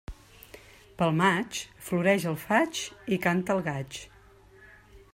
Pel maig, floreix el faig i canta el gaig.